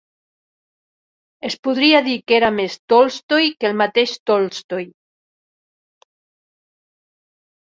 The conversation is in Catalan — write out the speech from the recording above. Es podria dir que era més Tolstoi que el mateix Tolstoi.